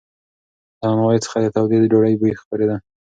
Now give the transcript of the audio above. له نانوایۍ څخه د تودې ډوډۍ بوی خپرېده.